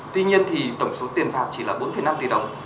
tuy nhiên thì tổng số tiền phạt chỉ là bốn năm tỷ đồng